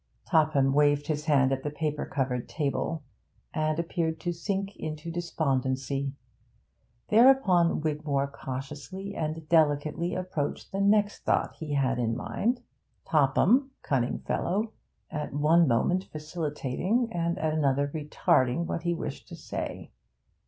Topham waved his hand at the paper covered table, and appeared to sink into despondency. Thereupon Wigmore cautiously and delicately approached the next thought he had in mind, Topham cunning fellow at one moment facilitating, at another retarding what he wished to say.